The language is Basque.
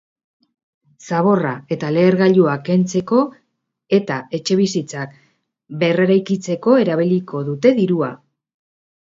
Zaborra eta lehergailuak kentzeko eta etxebizitzak berreraikitzeko erabiliko dute dirua.